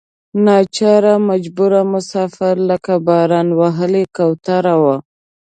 ناچاره مجبور مسافر لکه باران وهلې کوترې وو.